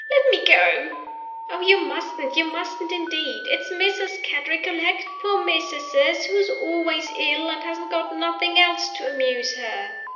let me go!" "Oh, you mustn't you mustn't indeed! It's missus's cat, recollect poor missus's, who's always ill, and hasn't got nothing else to amuse her."